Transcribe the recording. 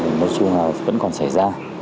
nói chung là vẫn còn xảy ra